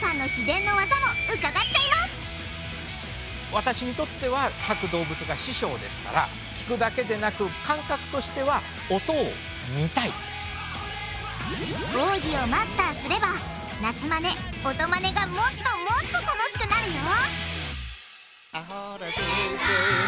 私にとっては各動物が師匠ですから聞くだけでなく感覚としては奥義をマスターすれば鳴きマネ音マネがもっともっと楽しくなるよ！